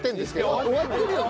終わってるよね？